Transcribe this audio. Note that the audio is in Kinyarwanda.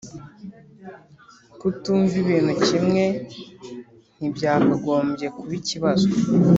Kutumva ibintu kimwe ntibyakagombye kuba ikibazo